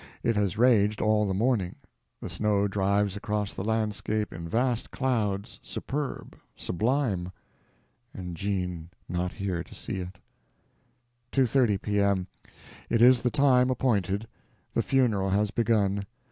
It has raged all the morning. The snow drives across the landscape in vast clouds, superb, sublime—and Jean not here to see. 2:30 P.M.—It is the time appointed. The funeral has begun.